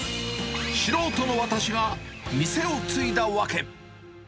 素人の私が店を継いだワケ。